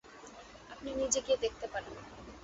আপনি নিজে গিয়ে দেখতে পারেন।